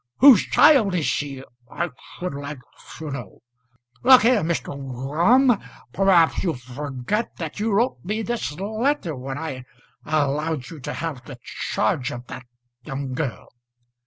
Whose child is she, I should like to know? Look here, Mr. Gorm; perhaps you forget that you wrote me this letter when I allowed you to have the charge of that young girl?"